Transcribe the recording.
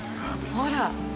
ほら。